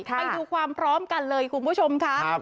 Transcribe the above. ไปดูความพร้อมกันเลยคุณผู้ชมค่ะ